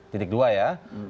titik dua ya